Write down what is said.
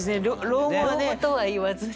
老後とは言わずに。